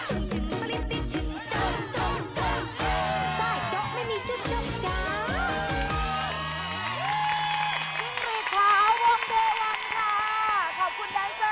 โจ๊กโจ๊กโจ๊กโจ๊กโจ๊กโจ๊ก